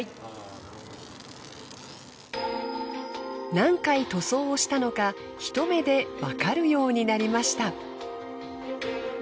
何回塗装をしたのか一目でわかるようになりました。